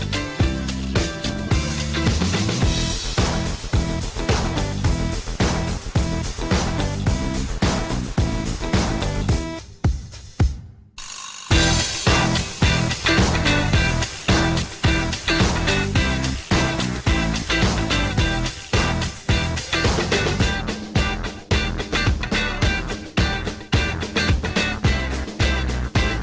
โปรดติดตามตอนต่อไป